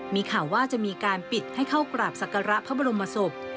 มีข่าวว่าจะมีการปิดให้เข้ากราบศักระพระบรมศพ